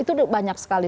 itu banyak sekali